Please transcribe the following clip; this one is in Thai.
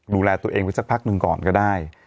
ดูแลตัวเองไว้สักพักหนึ่งก่อนก็ได้